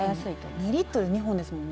２リットル２本ですもんね。